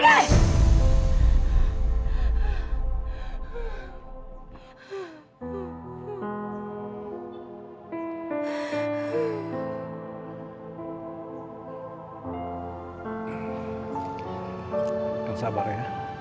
bapak jangan sabar ya